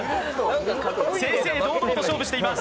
正々堂々と勝負しています。